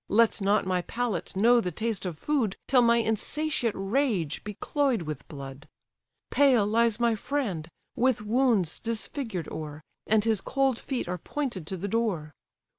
Let not my palate know the taste of food, Till my insatiate rage be cloy'd with blood: Pale lies my friend, with wounds disfigured o'er, And his cold feet are pointed to the door.